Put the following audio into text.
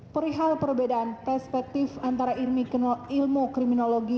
perihal perbedaan perspektif antara ilmu kriminologi